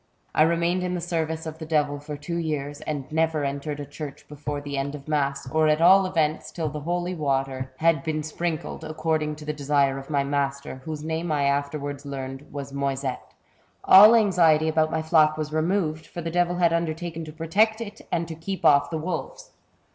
I remained in the service of the devil for two years, and never entered a church before the end of mass, or at all events till the holy water had A CHAPTER OF HORRORS. 71 been sprinkled, according to the desire of my master^ whose name I afterwards learned was Moyset. " All anxiety about my flock was removed, for the devil had undertaken to protect it and to keep off the wolves.